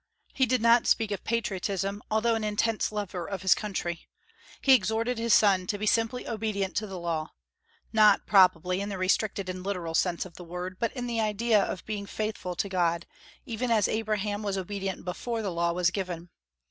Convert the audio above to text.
He did not speak of patriotism, although an intense lover of his country. He exhorted his sons to be simply obedient to the Law, not, probably, in the restricted and literal sense of the word, but in the idea of being faithful to God, even as Abraham was obedient before the Law was given.